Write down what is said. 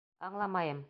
Аңламайым.